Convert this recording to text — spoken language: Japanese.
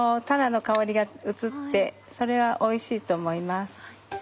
たらの香りが移ってそれはおいしいと思います。